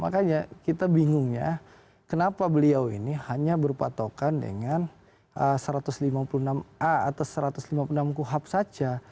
makanya kita bingung ya kenapa beliau ini hanya berpatokan dengan satu ratus lima puluh enam a atau satu ratus lima puluh enam kuhap saja